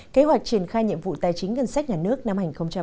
kế hoạch triển khai nhiệm vụ tài chính ngân sách nhà nước năm hai nghìn một mươi chín